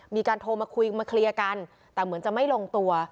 มีการโทรมาคุยมาเคลียร์กันแต่เหมือนจะไม่ลงตัว